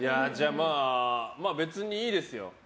まあ、別にいいですよ。